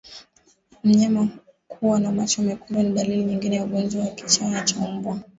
Mnyama kuwa na macho mekundu ni dalili nyingine ya ugonjwa wa kichaa cha mbwa